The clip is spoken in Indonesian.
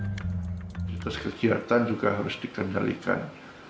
jam aktivitas kerja juga harus dikendalikan